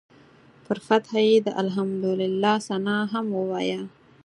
پر فتحه یې د الحمدلله ثناء هم وایه.